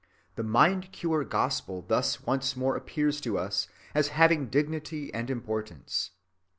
The mind‐cure gospel thus once more appears to us as having dignity and importance.